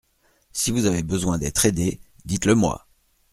Si vous avez besoin d’être aidé, dites-le-moi.